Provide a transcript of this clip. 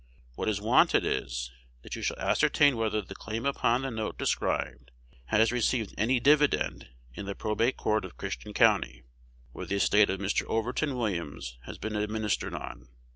What is wanted is, that you shall ascertain whether the claim upon the note described has received any dividend in the Probate Court of Christian County, where the estate of Mr. Overton Williams has been administered on.